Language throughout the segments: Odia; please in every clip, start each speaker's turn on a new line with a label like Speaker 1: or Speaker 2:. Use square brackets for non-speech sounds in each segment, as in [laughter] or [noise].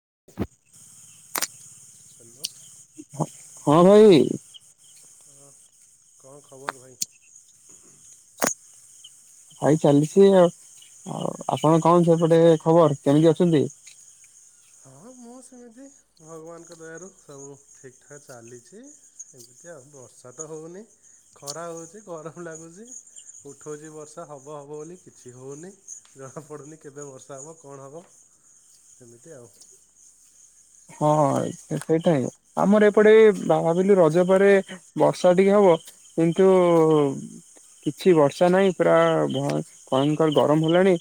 Speaker 1: [unintelligible] ହ୍ୟାଲୋ।
Speaker 2: ହଁ ଭାଇ
Speaker 1: ହଁ କଣ ଖବର ଭାଇ
Speaker 2: ଭାଇ ଚାଲିଛି ଆଉ ଆଉ ଆପଣ କଣ ସେପଟେ ଖବର? କେମିତି ଅଛନ୍ତି?
Speaker 1: ହଁ ମୁଁ ସେମିତି ଭଗବାନଙ୍କ ଦୟାରୁ ସବୁ ଠିକ ଠାକ୍ ଚାଲିଛି ଏମିତି ଆଉ ବର୍ଷା ତ ହେଉନି ଖରା ହେଉଛି ଗରମ ଲାଗୁଛି ଉଠଉଛି ବର୍ଷା ହବ ହବ ବୋଲି କିଛି ହେଉନି ଜଣାପଡ଼ୁନି କେବେ ବର୍ଷା ହେବ କଣ ହେବ ସେମିତି ଆଉ
Speaker 2: ହଁ ସେ -ସେଇଟା ହିଁ ଆମର ଏପଟେ ଭାବିଲି ରଜ ପରେ ବର୍ଷା ଟିକେ ହବ। କିନ୍ତୁ କିଛି ବର୍ଷା ନାହିଁ। ପୁରା ଭ-ଭୟଙ୍କର ଗରମ ହେଲାଣି।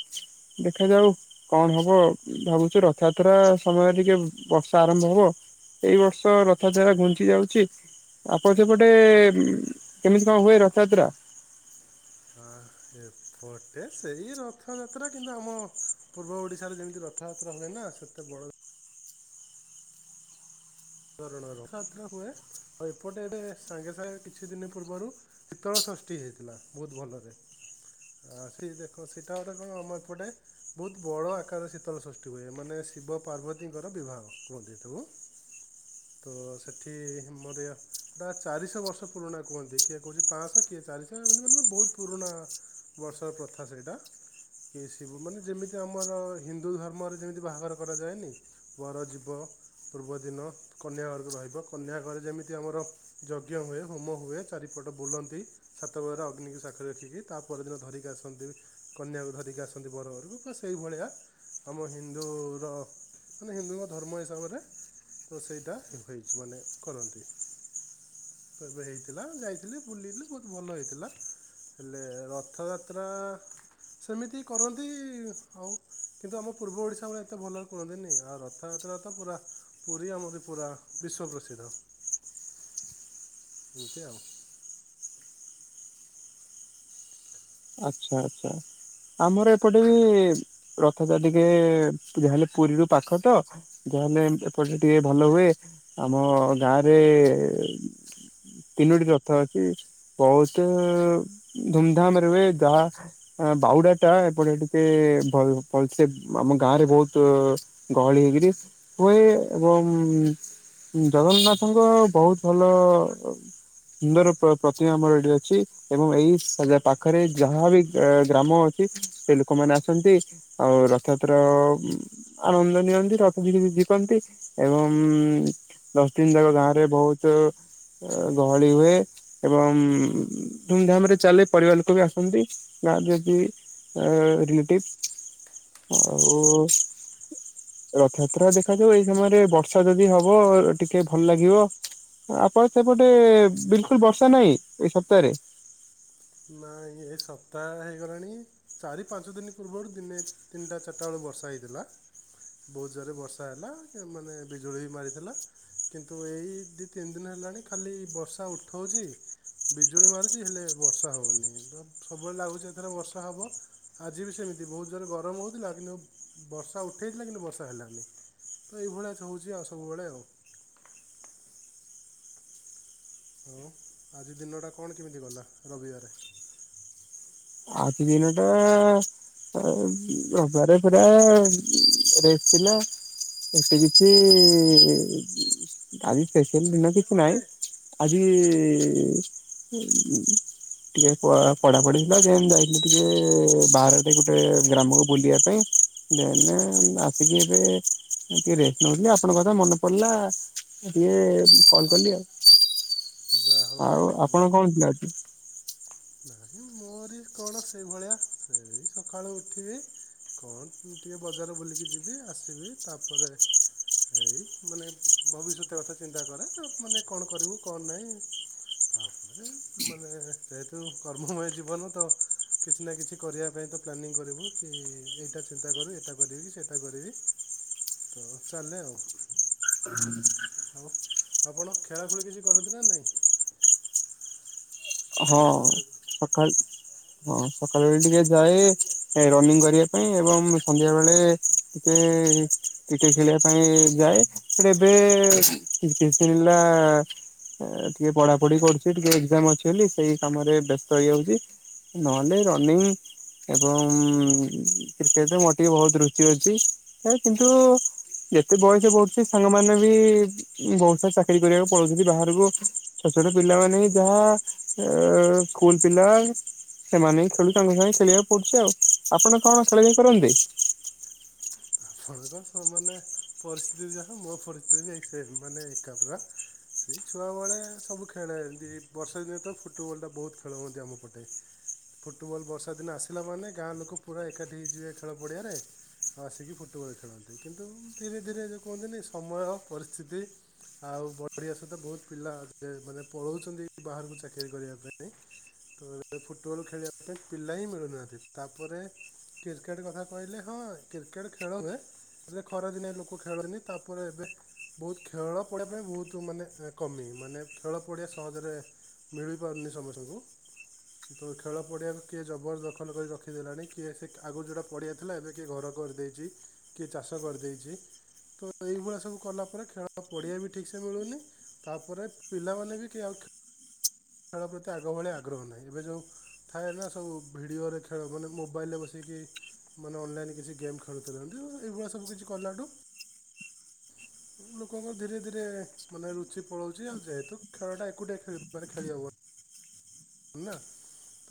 Speaker 2: ଦେଖାଯାଉ କଣ ହବ ଭାବୁଚୁ ରଥଯାତ୍ରା ସମୟରେ ଟିକେ ବର୍ଷା ଆରମ୍ଭ ହବ। ଏଇ ବର୍ଷ ରଥଯାତ୍ରା ଘୁଞ୍ଚି ଯାଉଚି। ଆପଣଙ୍କ ସେପଟେ ଉଁ, କେମିତି କଣ ହୁଏ ରଥଯାତ୍ରା?
Speaker 1: ହଁ ଏପଟେ ସେଇ ରଥଯାତ୍ରା। କିନ୍ତୁ ଆମ ପୂର୍ବ ଓଡିଶାରେ ଯେମିତି ରଥଯାତ୍ରା ହୁଏ ନା। ସେତେ ବଡ ଧରଣର ରଥଯାତ୍ରା ହୁଏ। ଆଉ ଏପଟେ ଏବେ ସାଙ୍ଗେ ସାଙ୍ଗେ କିଛି ଦିନ ପୂର୍ବରୁ ଶୀତଳ ଷଷ୍ଠୀ ହେଇଥିଲା ବହୁତ ଭଲରେ। ଆ ସେଇ ଦେଖ ସେଟା ଗୋଟେ କଣ ଆମ ଏପଟେ ବହୁତ ବଡ ଆକାରରେ ଶୀତଳ ସୃଷ୍ଟି ହୁଏ। ମାନେ ଶିବ ପାର୍ବତୀଙ୍କର ବିବାହ କୁହନ୍ତି ଏଟାକୁ। ତ ସେଠି ମୋରିଆ ଦା-ଚାରିଶହ ବର୍ଷ ପୁରୁଣା କୁହନ୍ତି। କିଏ କହୁଚି ପାଁଶହ କିଏ ଚାରିଶହ ଏମିତି ମାନେ ବହୁତ ପୁରୁଣା। ବର୍ଷର ପ୍ରଥା ସେଇଟା କି ସିବୁ ମାନେ ଯେମିତି ଆମର ହିନ୍ଦୁ ଧର୍ମରେ ଯେମିତି ବାହାଘର କରାଯାଏନି। ବର ଯିବ ପୂର୍ବଦିନ କନ୍ୟା ଘରକୁ ରହିବ। କନ୍ୟା ଘର ଯେମିତି ଆମର ଯଜ୍ଞ ହୁଏ। ହୋମ ହୁଏ। ଚାରିପଟ ବୁଲନ୍ତି ସାତଘେରା ଅଗ୍ନିକୁ ସାଖିରେ ରଖିକି ତା ପରଦିନ ଧରିକି ଆସନ୍ତି କନ୍ୟାକୁ ଧରିକି ଆସନ୍ତି ବର ଘରକୁ। ତ ସେଇଭଳିଆ ଆମ ହିନ୍ଦୁର ମାନେ ହିନ୍ଦୁଙ୍କ ଧର୍ମ ହିସାବରେ ତ ସେଇ ଟା ହୋଇଛି, ମାନେ କରନ୍ତି ଏବେ ହେଇଥିଲା। ଯାଇଥିଲି, ବୁଲିଥିଲି, ବହୁତ ଭଲ ହେଇଥିଲା। ହେଲେ ରଥଯାତ୍ରା ସେମିତି କରନ୍ତି। ଆଉ କିନ୍ତୁ ଆମ ପୂର୍ବ ଓଡ଼ିଶା ଭଳିଆ ଏତେ ଭଲରେ କରନ୍ତିନି। ଆଉ ରଥଯାତ୍ରା ତ ପୁରା ପୁରୀ ଆମର ପୁରା ବିଶ୍ଵ ପ୍ରସିଦ୍ଧ। ଏମିତି ଆଉ।
Speaker 2: ଆଚ୍ଛା ଆଚ୍ଛା ଆମର ଏପଟେ ରଥଟା ଟିକେ ଯାହାହେଲେ ପୁରୀରୁ ପାଖ ତ ଯାହାେଲେ ଏମ୍ ଏପଟେ ଟିକେ ଭଲ ହୁଏ। ଆମ ଗାଁରେ ତିନୋଟି ରଥ ଅଛି। ବହୁତ ଧୁମଧାମରେ ହୁଏ। ଯାହା ଅଁ, ବାହୁଡ଼ା ଟା ଏପଟେ ଟିକେ ଭଲ ଭଲସେ ଆମ ଗାଁରେ ବହୁତ ଗହଳି ହେଇକିରି ହୁଏ। ଏବଂ ଜଗନ୍ନାଥଙ୍କ ବହୁତ ଭଲ ସୁନ୍ଦର ପ୍ର ପ୍ରତିମା ଆମର ଏଠି ଅଛି। ଏବଂ ଏଇ ସଜା ପାଖରେ ଯାହା ବି ଏ ଗ୍ରାମ ଅଛି ସେ ଲୋକମାନେ ଆସନ୍ତି। ଆଉ ରଥଯାତ୍ରା ଉଁ, ଆନନ୍ଦ ନିଅନ୍ତି। ରଥରେ ଝି-ଝିଙ୍କନ୍ତି ଏବଂ ଉଁ, ଦଶ ଦିନ ଯାକ ଗାଁରେ ବହୁତ ଅ, ଗହଳି ହୁଏ। ଏବଂ ଧୁମଧାମ ରେ ଚାଲେ ପରିବାର ଲୋକ ବି ଆସ ସନ୍ତି ଗାଁରେ ଯଦି ଅ, ରିଲେଟିଭ ଆଉ ରଥଯାତ୍ରା ଦେଖାଯାଉ ଏଇ ସମୟରେ ବର୍ଷା ଯଦି ହବ ଟିକେ ଭଲ ଲାଗିବ। ଆପଣ ସେପଟେ ବିଲକୁଲ ବର୍ଷା ନାହିଁ ଏଇ ସପ୍ତାହରେ?
Speaker 1: ନା ଏ ସପ୍ତାହ ହେଇଗଲାଣି ଚାରି ପାଞ୍ଚ ଦିନ ପୂର୍ବରୁ ଦିନେ ତିନିଟା ଚାରିଟା ବେଳୁ ବର୍ଷା ହେଇଥିଲା। ବହୁତ ଜୋରେ ବର୍ଷା ହେଲା ଏ ମାନେ ବିଜୁଳି ବି ମାରିଥିଲା। କିନ୍ତୁ ଏଇ ଦି ତିନି ଦିନ ହେଲାଣି ଖାଲି ବର୍ଷା ଉଠଉଚି, ବିଜୁଳି ମାରୁଚି, ହେଲେ ବର୍ଷ ର୍ଷା ହେଉନି ତ, ସବୁବେଳେ ଲାଗୁଚି ଏଥର ବର୍ଷା ହବ ଆଜି ବି ସେମିତି ବହୁତ ଜୋରେ ଗରମ ହଉଥିଲା। କିନ୍ତୁ ବର୍ଷା ଉଠେଇଥିଲା କିନ୍ତୁ ବର୍ଷା ହେଲାନି। ତ ଏହି ଭଳିଆ ହଉଚି ଆଉ ସବୁବେଳେ ଆଉ। [unintelligible] ଆଜି ଦିନଟା କଣ କେମିତି ଗଲା ରବିବାରେ?
Speaker 2: ଆଜି ଦିନ ଟା ରବାରେ ପୁରା ରେଷ୍ଟ ଥିଲା। ଏତେ କିଛି ଆଜି ସ୍ଫେଶିଆଲ ଦିନ କିଛି ନାହିଁ। ଆଜି ଉଁ, ଟିକେ ପଳା ପଢାପଢି। ବାସ୍ ସେମ ଯାଇଥିଲି ଟିକେ ବାହାର ଟିକ ଗୋଟେ ଗ୍ରାମକୁ ବୁଲିବା ପାଇଁ। ଦେନେ ଆସିକି ଏବେ ଟିକେ ରେଷ୍ଟ ନଉଚି ଯେ, ଆପଣଙ୍କ କଥା ମନେ ପଡିଲା। ଏ ଟିକେ କଲ୍ କଲି ଆଉ।
Speaker 1: ଯାହା ହେଉ
Speaker 2: ଆଉ ଆପଣ କଣ ଥିଲା ଆଜି?
Speaker 1: ନାହିଁ ମୋରି କଣ ସେଇଭଳିଆ, ସେଇ ସକାଳୁ ଉଠିବି କଣ ଟିକେ ବଜାର ବୁଲିକି ଯିବି। ଆସିବି ତାପରେ ଏଇ ମାନେ ଭବିଷ୍ୟତ କଥା ଚିନ୍ତା କରେ। ତ ମାନେ କଣ କରିବୁ କଣ ନାହିଁ ତାପରେ ମାନେ ଯେହେତୁ ତୁ କର୍ମମୟ ଜୀବନ ତ କିଛି ନା କିଛି କରିବା ପାଇଁ ତ ପ୍ଲାନିଂ କରିବୁ। କି ଏଇଟା ଚିନ୍ତା କରୁ ଏଇଟା କରିବି କି ସେଟା କରିବି ତ ଚାଲେ ଆଉ। ଆଉ ଆପଣ ଖେଳାଖେଳି କିଛି କରନ୍ତି ନା ନାହିଁ? ନିଜ
Speaker 2: ହଁ
Speaker 1: ଶରୀର
Speaker 2: ସଖାଳ ହଁ ସକାଳ ବେଳେ ଟିକେ ଯାଏ ଏ ରନିଂ କରିବା ପାଇଁ। ଏବଂ ସନ୍ଧ୍ୟା ବେଳେ ଟିକେ କ୍ରିକେଟ୍ ଖେଳିବା ପାଇଁ ଯାଏ। ବଟ୍ ଏବେ କିଛି ଦିନ ହେଲା ଏ ଟିକେ ପଢା ପଢି କରୁଛି। ଟିକେ ଏକ୍ଜାମ ଅଛ ଥିଲି ସେଇ କାମରେ ବ୍ୟସ୍ତ ହେଇଯାଉଚି। ନହେଲେ ରନିଙ୍ଗ ଏବଂ ଉଁ, କ୍ରିକେଟ୍ ରେ ମୋର ଟିକେ ବହୁତ ରୁଚି ଅଛି। ଏ କିନ୍ତୁ ଯେତେ ବୟସ ବଢୁଛି ସାଙ୍ଗମାନେ ବି ବହୁତ ସାରା ଚାକିରୀ କରିବାକୁ ପଳଉଛନ୍ତି ବାହାରକୁ। ଛୋଟ ଛୋଟ ପିଲାମାନେ ହିଁ ଯାହା ଏ, ସ୍କୁଲ୍ ପିଲା ସେମାନେ ହିଁ ଖେଳୁ ତାଙ୍କ ସାଙ୍ଗେ ଖେଳିବାକୁ ପଡୁଚି ଆଉ। ଆପଣ କଣ ଖେଳା ଖେଳି କରନ୍ତି?
Speaker 1: ଆପଣଙ୍କ ସମାନେ ପରିସ୍ଥିତି ଯାହା ମୋ ପରିସ୍ଥିତି ଏ ସେମ୍ ମାନେ ଏକା ପୁରା ସେଇ ଛୁଆବେେଳେ ସବୁ ଖେଳେ। ଏମିତି ବର୍ଷାଦିନେ ତ ଫୁଟବଲ୍ ବହୁତ ଖେଳ ହୁଅନ୍ତି। ଆମ ପଟେ ଫୁଟବଲ୍ ବର୍ଷା ଦିନେ ଆସିଲା ମାନେ ଗାଁ ଲୋକ ପୁରା ଏକାଠି ହେଇଯିବେ ଖେଳ ପଡ଼ିଆରେ। ଆଉ ଆସିକି ଫୁଟ ଫୁଟବଲ୍ ଖେଳନ୍ତି। କିନ୍ତୁ ଧୀରେ ଧୀରେ ଯେ କୁହନ୍ତିନି ସମୟ ପରିସ୍ଥିତି ଆଉ ବଢ଼ିଆ ସହିତ ବହୁତ ପିଲା ଦେ ମାନେ ପଢ଼ଉଛନ୍ତି ବାହାରକୁ ଚାକିରି କରିବା ପାଇଁ। ତ ଏ ଫୁଟବଲ୍ ଖେଳିବା ପାଇଁ ପିଲା ହିଁ ମିଳୁନାହାନ୍ତି। ତା ପରେ କ୍ରିକେଟ୍ କଥା କହିଲେ ହଁ କ୍ରିକେଟ୍ ଖେ ଖେଳ ହୁଏ। ହେଲେ ଖରାଦିନିଆ ଲୋକ ଖେଳୁନି ତାପରେ ଏବେ ବହୁତ ଖେଳ ପଡ଼ିଆ ପାଇଁ ବହୁତ ମାନେ ଏ କମି। ମାନେ ଖେଳ ପଡ଼ିଆ ସହଜରେ ମିଳିପାରୁନି ସମସ୍ତଙ୍କୁ ତ ଖେଳ ପଡ଼ିଆକୁ କିଏ ଜବରଦଖଲ କରି ରଖିଦେଲାଣି। କିଏ ସେ ଆଗରୁ ଯୋଉଟା ପଡ଼ିଆ ଥିଲା ଏବେ କିଏ ଘର କରିଦେଇଚି। କିଏ ଚାଷ କରିଦେଇଛି। ତ ଏଇଭଳିଆ ସବୁ କଲା ପରେ ଖେଳ ପଡିଆ ବି ଠିକ ସେ ମିଳୁନି। ତାପରେ ପିଲାମାନେ ବି କିଏ ଆଉ ଖେ ଖେଳ ପ୍ରତି ଆଗ ଭଳିଆ ଆଗ୍ରହ ନାହିଁ। ଏବେ ଯୋଉ ଥାଏ ନା ସବୁ ଭିଡିଓରେ ଖେଳ ମାନେ ମୋବାଇଲ୍ ରେ ବସିକି ମାନେ ଅନଲାଇନ୍ କିଛି ଗେମ୍ ଖେଳୁଛନ୍ତି। ଏଇଭଳିଆ ସବୁ କିଛି କଲାଠୁ ଲୋକଙ୍କର ଧୀରେ ଧୀରେ ମାନେ ରୁଚି ପଳଉଚି। ଆଉ ଯେହେତୁ ଖେଳଟା ଏକୁଟିଆ ଖେଳି ମାନେ ଖେଳି ହବ ନା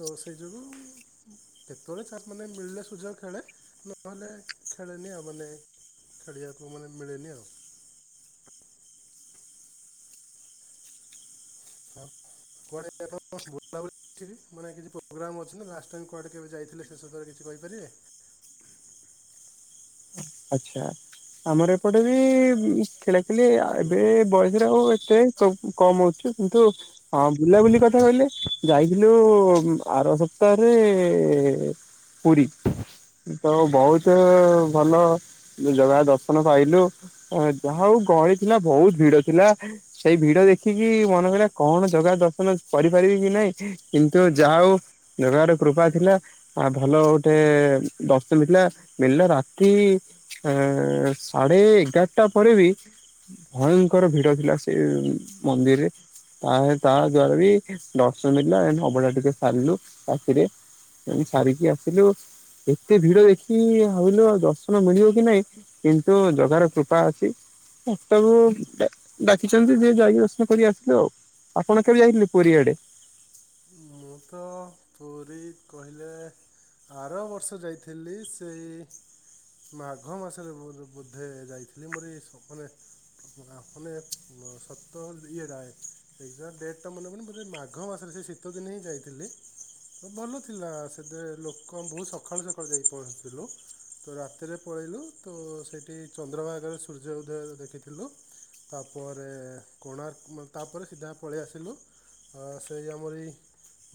Speaker 1: ତ ସେଇ ଯୋଗୁ କେତେବେଳେ ଚାଷ ମାନେ ମିଳିଲେ ସୁଯୋଗ ଖେଳେ। ନହେଲେ ଖେଳେନି ଆଉ। ମାନେ ଖେଳିବାକୁ ମାନେ ମିଳେନି ଆଉ। ଆଉ କୁଆଡ଼େ [unintelligible] ବୁଲାବୁଲି ଅଛିକି। ମାନେ କିଛି ପ୍ରୋଗ୍ରାମ୍ ଅଛି ନା, ଲାଷ୍ଟ ଟାଇମ୍ କୁଆଡ଼େ କେବେ ଯାଇଥିଲେ ଶେଷ ଥର କିଛି କହିପାରିବେ?
Speaker 2: ଆଚ୍ଛା ଆମର ଏପଟେ ବି ଉଁ ଖେଳେ। ଥିଲି ଆ,
Speaker 1: ହ୍ୟାଲୋ
Speaker 2: ଏବେ ବୟସରେ ଆଉ ଏ ସେ ସବୁ କମ ହଉଚ କିନ୍ତୁ ହଁ ବୁଲାବୁଲି କଥା କହିଲେ ଯାଇଥିଲୁ ଆର ସପ୍ତାହରେ ପୁରୀ। ତ ବହୁତ ଭଲ ଜଗା ଦର୍ଶନ ପାଇଲୁ। ଅଁ, ଯାହା ହଉ ଗହଳି ଥିଲା। ବହୁତ ଭିଡ ଥିଲା। ସେଇ ଭିଡ ଦେଖିକି ମନ କହିଲା କଣ ଜଗା ଦର୍ଶନ କରିପାରିବି କି ନାଇଁ। କିନ୍ତୁ ଯାହା ହଉ ଜଗାର କୃପା ଥିଲା। ଆ ଭଲ ଗୋଟେ ଦର୍ଶନ ଥିଲା ମିଳିଲା। ରାତି ଏଁ, ସାଢେ ଏଗାରଟା ପରେ ବି ଭୟଙ୍କର ଭିଡ ଥିଲା। ସେ ମନ୍ଦିରରେ ଆହେଁ ତା ଦ୍ଵାରା ବି ଦର୍ଶନ ମିଳିଲା। ଏଣ୍ଡ ଅବଢା ଟିକେ ସାରିଲୁ। ରାତିରେ [unintelligible] ସାରିକି ଆସିଲୁ। ଏତେ ଭିଡ ଦେଖି ଭାବିଲୁ ଆଉ ଦର୍ଶନ ମିଳିବ କି ନାଇଁ କିନ୍ତୁ ଜଗାର କୃପା ଅଛି। ଶେଷକୁ ଡା- ଡାକିଛନ୍ତି ଯେ ଯାଇକି ଦର୍ଶନ କରି ଆସିଲୁ ଆଉ। ଆପଣ କେବେ ଯାଇଥିଲେ ପୁରୀ ଆଡେ?
Speaker 1: ମୁଁ ତ ପୁରୀ କହିଲେ ଆର ବର୍ଷ ଯାଇଥିଲି। ସେଇ ମାଘ ମାସରେ ବୁର ବୋଧେ ଯାଇଥିଲି ମୋର ଏଇସ ମାନେ ଆ, ମାନେ ସତ ଇଏଟା ଏକଜାଟ୍ ଡେଟ୍ ଟା ମନେପଡୁନି। ବୋଧେ ମାଘ ମାସରେ ସେ ଶୀତଦିନେ ହିଁ ଯାଇଥିଲି। ତ ଭଲ ଥିଲା ସେତେ ଲୋକ ବହୁତ ସଖାଳୁ ସଖାଳୁ ଯାଇକି ପହଞ୍ଚିଥିଲୁ। ତ ରାତିରେ ପଳେଇଲୁ ତ ସେଠି ଚନ୍ଦ୍ରଭାଗାରେ ସୂର୍ଯ୍ୟ ଉଦୟ ଦେଖିଥିଲୁ। ତାପରେ କୋଣାର୍କ ଉଁ, ତାପରେ ସିଧା ପଳେଇ ଆସିଲୁ ଅ ସେଇ ଆମର ଏଇ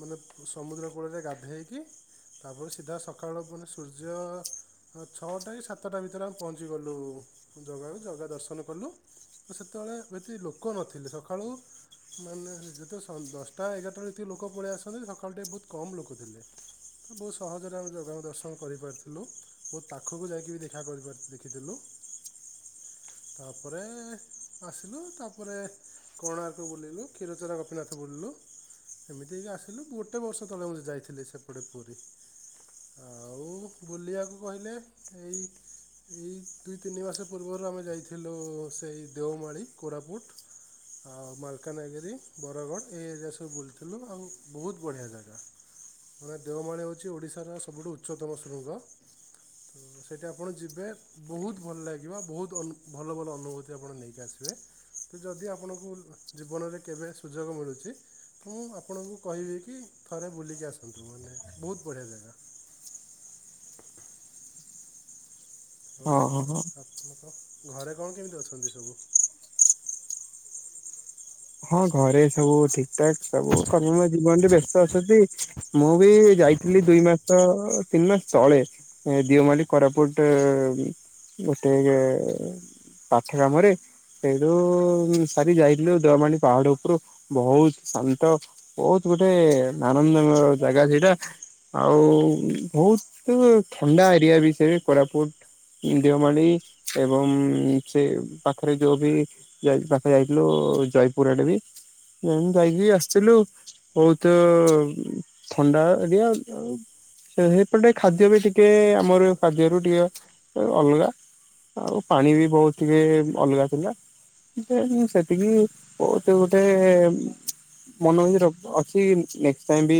Speaker 1: ମାନେ ସମୁଦ୍ର କୂଳରେ ଗାଧେଇକି ତାପରେ ସିଧା ସକାଳୁ ମାନେ ସୂର୍ଯ୍ୟ ଛଅଟା କି ସାତଟା ଭିତରେ ଆମେ ପହଞ୍ଚିଗଲୁ ଜଗାକୁ ଜଗା ଦର୍ଶନ କଲୁ। ତ ସେତେବେଳେ ଏତେ ଲୋକ ନଥିଲେ। ସଖାଳୁ ମାନେ ଯେତେ ସ-ଦଶଟା ଏଗାରଟା ବେଳେ ଯେତିକି ଲୋକ ପଳେଇ ଆସ ସନ୍ତି, ସକାଳୁ ଟିକେ ବହୁତ କମ୍ ଲୋକ ଥିଲେ। ତ ବହୁତ ସହଜରେ ଆମେ ଜଗାକୁ ଦର୍ଶନ କରିପାରିଥିଲୁ। ବହୁତ ପାଖକୁ ଯାଇକି ବି ଦେଖାକରିପାରି, ଦେଖିଥିଲୁ ତାପରେ ଆସିଲୁ ତାପରେ କୋଣାର୍କ ବୁଲିଲୁ। କ୍ଷୀରଚୋରା ଗୋପୀନାଥ ବୁଲିଲୁ। ଏମିତି ହେଇ ଆସ ଥିଲୁ ଗୁଟେ ବର୍ଷ ତଳେ ମୁଁ ଯାଇଥିଲି ସେପଟେ ପୁରୀ। ଆଉ ବୁଲିବାକୁ କହିଲେ ଏଇ ଏଇ ଦୁଇ ତିନି ମାସ ପୂର୍ବରୁ ଆମେ ଯାଇଥିଲୁ ସେଇ ଦେଓମାଳି, କୋରାପୁଟ, ଆଉ ମାଲକାନାଗିରି, ବରଗଡ଼ ଏ ଏରିଆ ସବୁ ବୁଲିଥିଲୁ। ଆଉ ବହୁତ ବଢ଼ିଆ ଜାଗା। ମାନେ ଦେଓମାଳି ହଉଛି ଓଡ଼ିଶାର ସବୁଠୁ ଉଚ୍ଚତମ ଶୃଙ୍ଗ। ସେଠି ଆପଣ ଯିବେ ବହୁତ ଭଲ ଲାଗିବ। ବହୁତ ଅନ, ଭଲ ଭଲ ଅନୁଭୂତି ଆପଣ ନେଇକି ଆସିବେ। ତ ଯଦି ଆପଣଙ୍କୁ ଜୀବନରେ କେବେ ସୁଯୋଗ ମିଳୁଚି ତ ମୁଁ ଆପଣଙ୍କୁ କହିବେ କି ଥରେ ବୁଲିକି ଆସନ୍ତୁ ମାନେ ବହୁତ୍ ବଢିଆ ଜାଗା। ଆଉ
Speaker 2: ଓଁ ହ ହୋ।
Speaker 1: ଆପଣଙ୍କ ଘରେ କଣ କେମିତି ଅଛନ୍ତି ସବୁ?
Speaker 2: ହଁ ଘରେ ସବୁ ଠିକ ଠାକ୍ ସବୁ କର୍ମମୟ ଜୀବନରେ ବ୍ୟସ୍ତ ଅଛନ୍ତି। ମୁଁ ବି ଯାଇଥିଲି ଦୁଇ ମାସ ତିନି ମାସ ଚଳେ ଦିଓମାଳି କୋରାପୁଟ ଗୋଟେ ପାଠ କାମରେ ସେଠୁ ସାରି ଯାଇଥିଲୁ ଦେଓମାଳି। ପାହାଡ ଉପରୁ ବହୁତ ଶାନ୍ତ ବହୁତ ଗୋଟେ ଆନନ୍ଦମୟ ଜାଗା ସେଇଟା। ଆଉ ବହୁତ ଥଣ୍ଡା ଏରିଆ ବି ସେ କୋରାପୁଟ ଦେଓମାଳି ଏବଂ ସେ ପାଖରେ ଯୋଉ ବି ପାଖରେ ଯାଇଥିଲୁ ଜ ପୁରାଟେ ବି ଏମିତି ଯାଇକି ଆସିଥିଲୁ ବହୁତ ଥଣ୍ଡା ଏରିଆ ସେପଟେ ଖାଦ୍ୟ ବି ଟିକେ ଆମର ଖାଦ୍ୟରୁ ଟିକେ ଅଲଗା ଆଉ ପାଣି ବି ବହୁତ ଟିକେ ଅଲଗା ଥିଲା ସେତିକି କୋଉଠି ଗୋଟେ ମନ ଅଛି ନକ୍ ଟାଇ ବି